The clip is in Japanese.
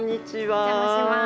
お邪魔します。